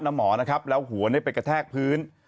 น้ำหมอเนี่ยแล้วหัวไปกระแทกพื้น